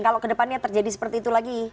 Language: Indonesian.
kalau ke depannya terjadi seperti itu lagi